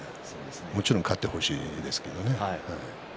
もちろん勝ってほしいですけどね。